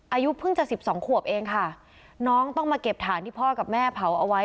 อายุเพิ่งจะสิบสองขวบเองค่ะน้องต้องมาเก็บฐานที่พ่อกับแม่เผาเอาไว้